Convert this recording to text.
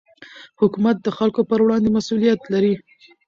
حکومت د خلکو پر وړاندې مسوولیت لري